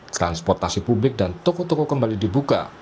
transportasi publik dan toko toko kembali dibuka